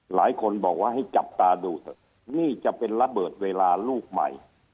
หลายคนบอกว่าให้จับตาดูเถอะนี่จะเป็นระเบิดเวลาลูกใหม่